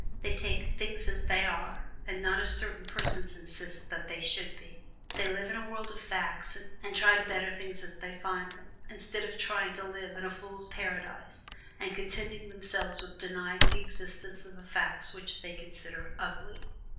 They take "things as they are," and not as certain persons insist that "they should be" they live in a world of facts and try to better things as they find them, instead of trying to live in a fool's paradise and contenting themselves with denying the existence of the facts which they consider "ugly."